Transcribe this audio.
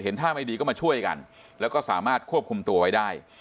ท่าไม่ดีก็มาช่วยกันแล้วก็สามารถควบคุมตัวไว้ได้